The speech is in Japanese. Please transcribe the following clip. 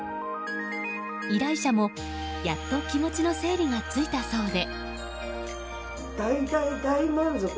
依頼者も、やっと気持ちの整理がついたそうで。